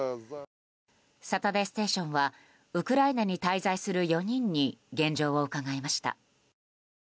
「サタデーステーション」はウクライナに滞在する４人に現状を伺いました。